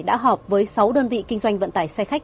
đã họp với sáu đơn vị kinh doanh vận tải xe khách